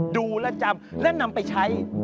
ดูและจำและนำไปใช้